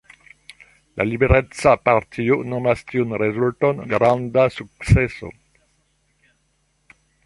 La Libereca Partio nomas tiun rezulton granda sukceso.